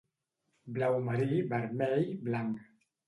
Blau marí, vermell, blanc.